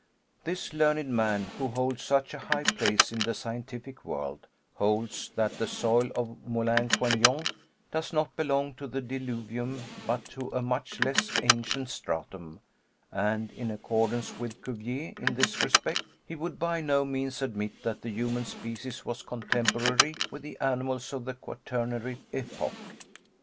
This learned man, who holds such a high place in the scientific world, holds that the soil of Moulin Quignon does not belong to the diluvium but to a much less ancient stratum, and, in accordance with Cuvier in this respect, he would by no means admit that the human species was contemporary with the animals of the Quaternary epoch.